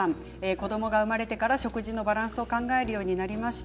子どもが生まれてから食事のバランスを考えるようになりました。